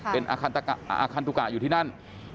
เป็นอาคารตุกะอยู่ที่นั่น